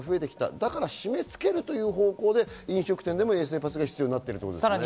だから締め付けるという方向で飲食店でも衛生パスが必要になってるっていうことですよね。